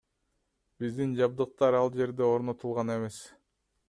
Биздин жабдыктар ал жерде орнотулган эмес.